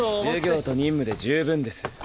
授業と任務で十分です。